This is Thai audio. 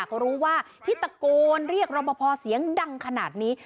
เขารู้ว่าที่ตะโกนเรียกรอปภเสียงดังขนาดนี้